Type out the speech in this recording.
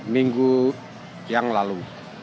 minggu yang lalu